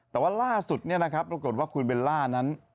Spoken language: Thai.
แต่ว่าล่าสุดเนี่ยนะครับโดยกฏว่าคุณเบลล่านั้น